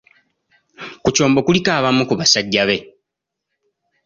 Ku kyombo kuliko abamu ku basajja be.